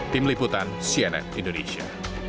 tim liputan cnn indonesia